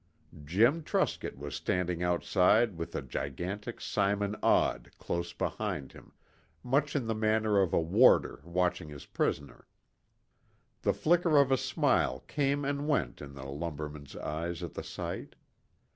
Jim Truscott was standing outside with the gigantic Simon Odd close behind him, much in the manner of a warder watching his prisoner. The flicker of a smile came and went in the lumberman's eyes at the sight.